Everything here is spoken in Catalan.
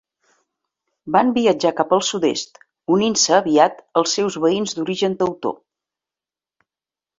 Van viatjar cap al sud-est, unint-se aviat els seus veïns d'origen teutó.